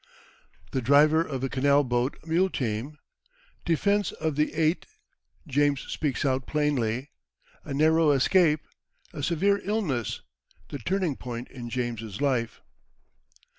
The Driver of a Canal boat Mule team Defence of the Eight James speaks out plainly A Narrow Escape A Severe Illness The Turning point in James's Life.